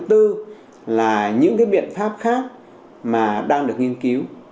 nhóm thứ năm là những cái biện pháp khác mà đang được nghiên cứu